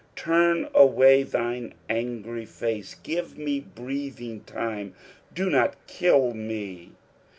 Turn away thine angry face. Give me breathing time. Do not kill me.